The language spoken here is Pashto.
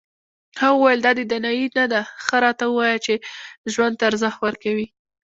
هغه وویل دا دانایي نه ده ښه راته ووایه چې ژوند ته ارزښت ورکوې.